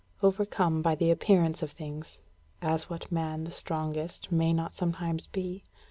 Overcome by the appearances of things as what man the strongest may not sometimes be?